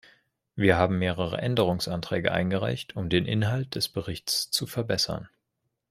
Wir haben mehrere Änderungsanträge eingereicht, um den Inhalt des Berichts zu verbessern.